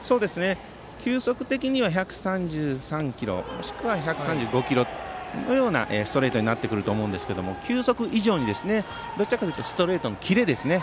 球速的には１３３キロもしくは１３５キロのようなストレートになってくると思うんですが球速以上にストレートのキレですね。